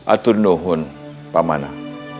aku berdoa kepada kamu